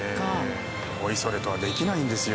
おいそれとはできないんですよ。